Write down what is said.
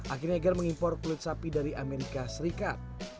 akhirnya ger mengimpor kulit sapi dari amerika serikat